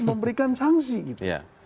memberikan sanksi gitu